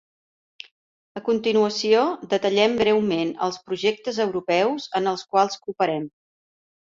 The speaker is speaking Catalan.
A continuació detallem breument els projectes europeus en els quals cooperem.